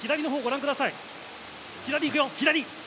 左、行くよ。